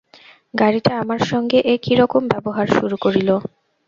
গাড়িটা আমার সঙ্গে এ কিরকম ব্যবহার শুরু করিল।